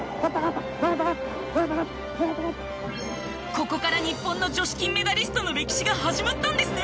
ここから日本の女子金メダリストの歴史が始まったんですね。